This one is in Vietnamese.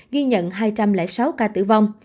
ghi nhận hai trăm linh sáu ca tử vong